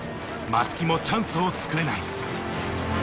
松木もチャンスを作れない。